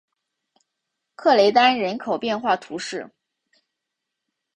克雷丹人口变化图示